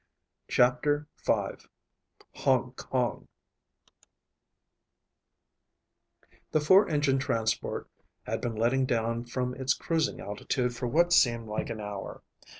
CHAPTER V Hong Kong The four engine transport had been letting down from its cruising altitude for what seemed like an hour.